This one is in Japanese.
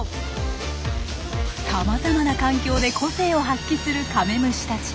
さまざまな環境で個性を発揮するカメムシたち。